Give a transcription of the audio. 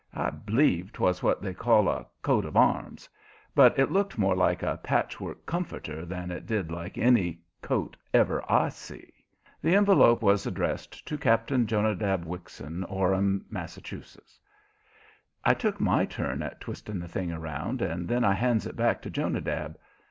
I b'lieve 'twas what they call a "coat of arms," but it looked more like a patchwork comforter than it did like any coat ever I see. The envelope was addressed to "Captain Jonadab Wixon, Orham, Mass." I took my turn at twisting the thing around, and then I hands it back to Jonadab.